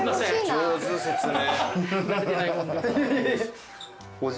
上手説明。